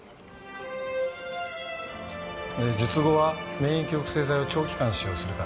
術後は免疫抑制剤を長期間使用するから。